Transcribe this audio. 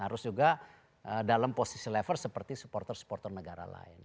harus juga dalam posisi level seperti supporter supporter negara lain